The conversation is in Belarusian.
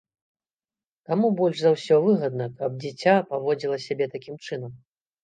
Каму больш за ўсё выгадна, каб дзіця паводзіла сябе такім чынам?